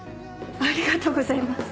ありがとうございます。